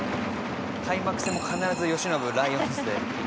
「開幕戦もう必ず由伸ライオンズで」